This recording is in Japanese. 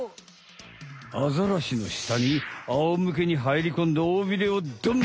アザラシのしたにあおむけにはいりこんで尾ビレをドン！